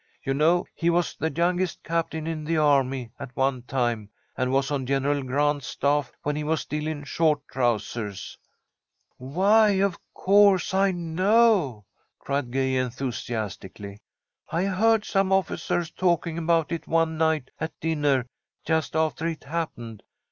You know he was the youngest captain in the army, at one time, and was on General Grant's staff when he was still in short trousers." "Why, of course, I know," cried Gay, enthusiastically. "I heard some officers talking about it one night at dinner just after it happened.